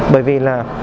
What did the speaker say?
bởi vì là